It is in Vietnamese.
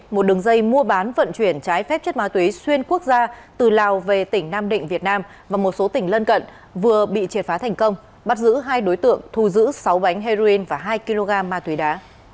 một đường dây mua bán vận chuyển trái phép chất ma túy xuyên quốc gia từ lào về tỉnh nam định việt nam và một số tỉnh lân cận vừa bị triệt phá thành công bắt giữ hai đối tượng thu giữ sáu bánh heroin và hai kg ma túy đá